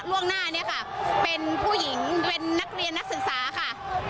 ล่วงหน้าเนี่ยค่ะเป็นผู้หญิงเป็นนักเรียนนักศึกษาค่ะ